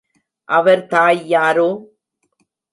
அவர் தாய் யாரோ?